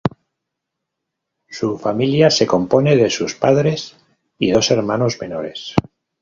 Su familia se compone de sus padres y dos hermanos menores.